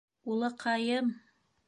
Улыҡайым!